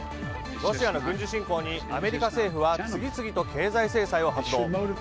ロシアの軍事侵攻にアメリカ政府は次々と経済制裁を発動。